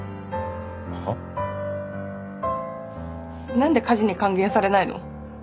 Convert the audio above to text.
なんで家事に還元されないの？